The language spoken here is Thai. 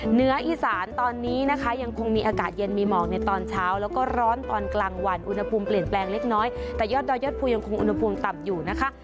เหนืออีสานตอนนี้นะคะยังคงมีอากาศเย็นมีหมอกในตอนเช้าแล้วก็ร้อนตอนกลางวันอุณหภูมิเปลี่ยนแปลงเล็กน้อยแต่ยอดดอยยอดภูยังคงอุณหภูมิต่ำอยู่นะคะ